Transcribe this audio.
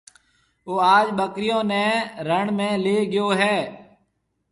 او آج ٻڪرِيون نَي رڻ ۾ ليَ گيو هيَ۔